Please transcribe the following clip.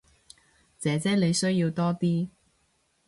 姐姐你需要多啲